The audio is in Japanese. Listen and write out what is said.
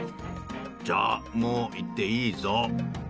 じゃあもう行っていいゾウ。